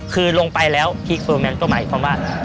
คือลงไปแล้วพีคเฟอร์แมนก็หมายความว่า